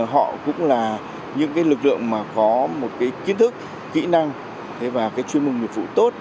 họ cũng là những lực lượng mà có một kiến thức kỹ năng và chuyên mục mục vụ tốt